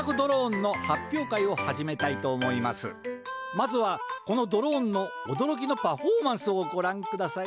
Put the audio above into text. まずはこのドローンのおどろきのパフォーマンスをごらんください。